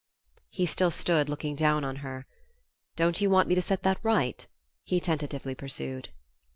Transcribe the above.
He still stood looking down on her. "Don't you want me to set that right?" he tentatively pursued.